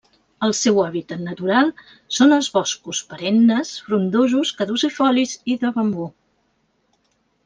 El seu hàbitat natural són els boscos perennes, frondosos, caducifolis i de bambú.